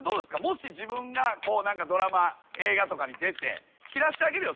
もし自分がドラマ映画とかに出て「切らせてあげるよ。